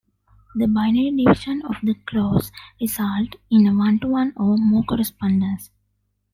The binary division of the clause results in a one-to-one-or-more correspondence.